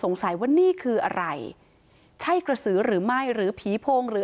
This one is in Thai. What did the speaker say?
สงสัยว่านี่คืออะไรใช้กระสืรหรือไม่หรือผีพงตร์หรือ